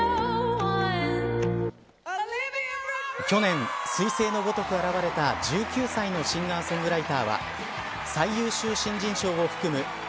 去年、彗星のごとく現れた１９歳のシンガー・ソングライターは最優秀新人賞を含む